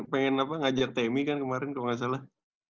pengen ngajar temi kan kemarin kalo gak salah